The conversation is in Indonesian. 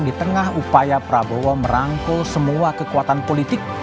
di tengah upaya prabowo merangkul semua kekuatan politik